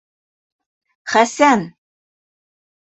Хәсән!..